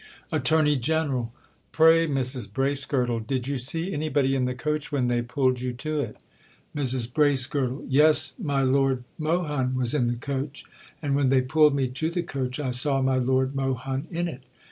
"' "ATTORNEY GENERAL: 'Pray, Mrs Bracegirdle, did you see anybody in the coach when they pulled you to it?' "MRS BRACEGIRDLE: 'Yes, my Lord Mohun was in the coach; and when they pulled me to the coach I saw my Lord Mohun in it.